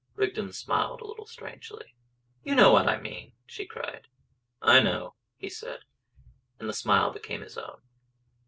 Rigden smiled a little strangely. "You know what I mean!" she cried. "I know," he said. And the smile became his own.